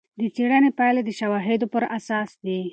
د څېړنې پایلې د شواهدو پر اساس دي.